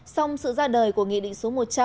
song sự ra đời của nghị định số một trăm linh